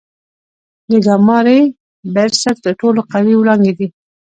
د ګاما رې برسټ تر ټولو قوي وړانګې دي.